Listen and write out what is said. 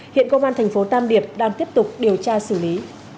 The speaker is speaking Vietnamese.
hiện công an thành phố tam điệp đang tiếp tục điều tra xử lý